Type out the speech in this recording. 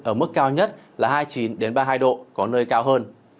ở mức cao nhất là hai mươi chín ba mươi độ